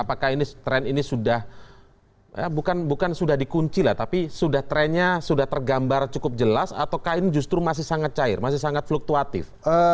apakah ini tren ini sudah bukan sudah dikunci lah tapi sudah trennya sudah tergambar cukup jelas atau kain justru masih sangat cair masih sangat fluktuatif